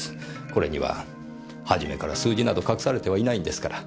これにははじめから数字など隠されてはいないんですから。